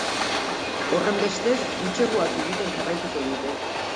Horrenbestez, entseguak egiten jarraituko dute.